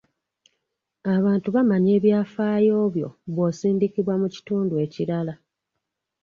Abantu bamanya ebyafaayo byo bw'osindikibwa mu kitundu ekirala.